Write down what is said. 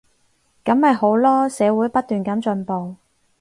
噉咪好囉，社會不斷噉進步